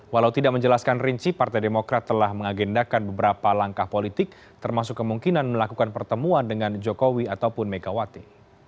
walau tidak menjelaskan rinci partai demokrat telah mengagendakan beberapa langkah politik termasuk kemungkinan melakukan pertemuan dengan jokowi ataupun megawati